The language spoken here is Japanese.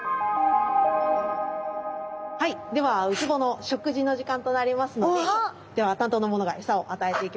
はいではウツボの食事の時間となりますのででは担当の者がエサをあたえていきます。